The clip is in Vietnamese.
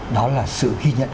đó là sự ghi nhận